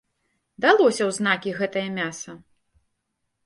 Далося ў знакі гэтае мяса!